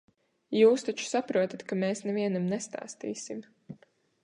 Jūs taču saprotat, ka mēs nevienam nestāstīsim.